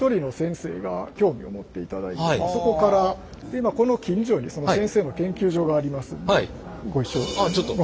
もともとはこの近所にその先生の研究所がありますんでご一緒にお話。